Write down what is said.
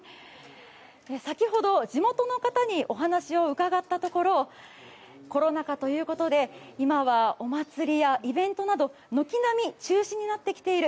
先ほど地元の方にお話を伺ったところコロナ禍ということで今はお祭りやイベントなど軒並み中止になってきている。